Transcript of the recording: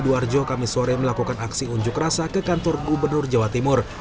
di duarjo kamisore melakukan aksi unjuk rasa ke kantor gubernur jawa timur